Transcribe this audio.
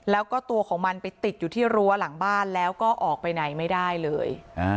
แล้วก็ตัวของมันไปติดอยู่ที่รั้วหลังบ้านแล้วก็ออกไปไหนไม่ได้เลย